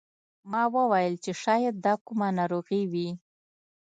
ما وویل چې شاید دا کومه ناروغي وي.